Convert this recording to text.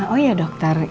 oh ya dokter